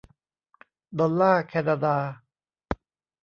ดอลลาร์แคนาดา